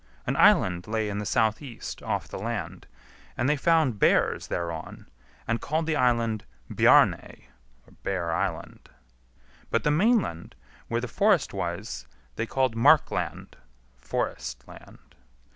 An island lay in the south east off the land, and they found bears thereon, and called the island Bjarney (Bear Island); but the mainland, where the forest was, they called Markland (forest land).